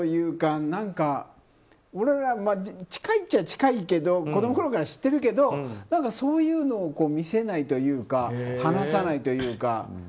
近いっちゃ近いけど子供のころから知ってるけどそういうのを見せないというか話さないというか。